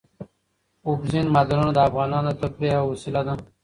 اوبزین معدنونه د افغانانو د تفریح یوه وسیله ده.